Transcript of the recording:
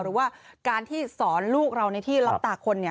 หรือว่าการที่สอนลูกเราในที่รับตาคน